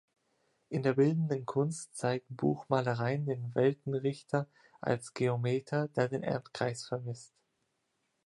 In der bildenden Kunst zeigen Buchmalereien den Weltenrichter als Geometer, der den Erdkreis vermisst.